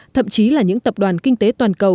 thậm chí là những tập đoàn kinh tế toàn cầu